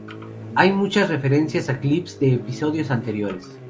Hay muchas referencias a clips de episodios anteriores.